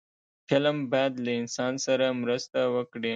فلم باید له انسان سره مرسته وکړي